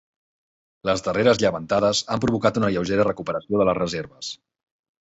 Les darreres llevantades han provocat una lleugera recuperació de les reserves.